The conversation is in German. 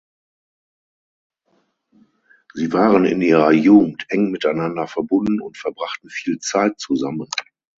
Sie waren in ihrer Jugend eng miteinander verbunden und verbrachten viel Zeit zusammen.